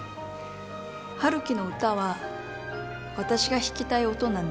陽樹の歌は私が弾きたい音なんです。